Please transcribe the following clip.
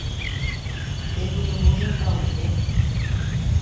Те тудым ужында, уке?